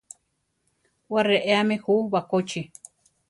Wé reéami jú bakóchi.